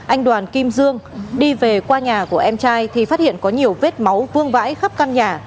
anh đoàn kim dương đi về qua nhà của em trai thì phát hiện có nhiều vết máu vương vãi khắp căn nhà